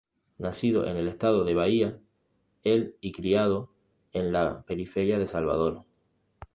Nacido en el estado de Bahía el y criado en la periferia de Salvador.